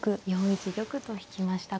４一玉と引きました。